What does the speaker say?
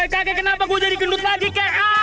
kakek kenapa gue jadi gendut lagi kakek